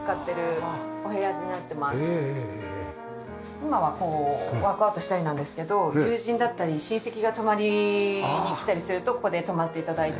今はこうワークアウトしたりなんですけど友人だったり親戚が泊まりに来たりするとここで泊まって頂いて。